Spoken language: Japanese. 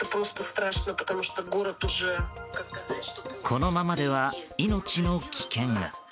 このままでは命の危険が。